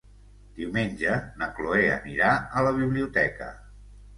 Diumenge na Cloè anirà a la biblioteca.